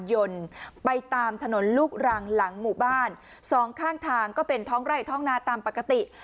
ยนต์ไปตามถนนลูกรังหลังหมู่บ้านสองข้างทางก็เป็นท้องไร่ท้องนาตามปกติ